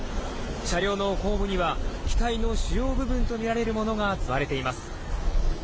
車両の後部には機体の主要部分とみられるものが積まれています。